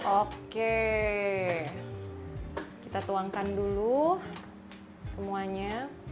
oke kita tuangkan dulu semuanya